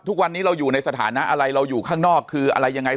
ทุกวันนี้เราอยู่ในสถานะอะไรเราอยู่ข้างนอกคืออะไรยังไง